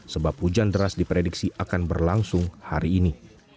sebab hujan deras diprediksi akan berlangsung hari ini